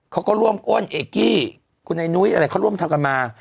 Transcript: เขาก็ร่วมอ้นเอกกี้คุณไอ้นุ้ยอะไรเขาร่วมทำกันมา